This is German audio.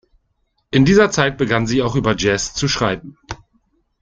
In dieser Zeit begann sie auch über Jazz zu schreiben.